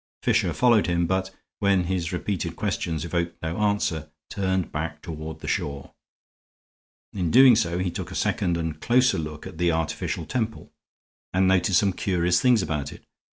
Fisher followed him, but, when his repeated questions evoked no answer, turned back toward the shore. In doing so he took a second and closer look at the artificial temple, and noted some curious things about it.